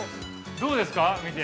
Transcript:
どうですか、見て。